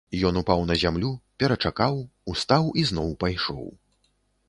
Ён упаў на зямлю, перачакаў, устаў і зноў пайшоў.